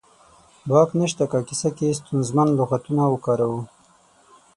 باک نه شته که کیسه کې ستونزمن لغاتونه وکاروو